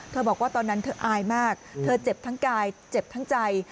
บอกว่าตอนนั้นเธออายมากเธอเจ็บทั้งกายเจ็บทั้งใจ